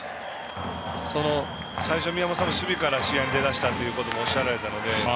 最初、宮本さんも守備から試合に出だしたとおっしゃられたので。